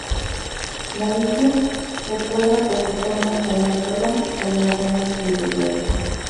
La isla recuerda por su forma a un atolón, con lagunas interiores.